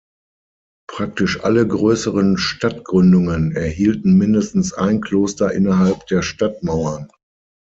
Praktisch alle größeren Stadtgründungen erhielten mindestens ein Kloster innerhalb der Stadtmauern.